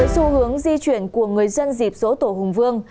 cùng với xu hướng di chuyển của người dân dịp số tổ hùng vương